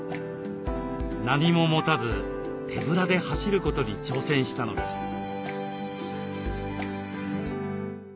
何も持たず手ぶらで走ることに挑戦したのです。